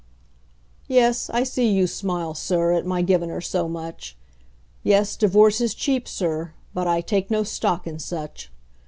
Yes, I see you smile, Sir, at my givin' her so much; Yes, divorce is cheap, Sir, but I take no stock in such!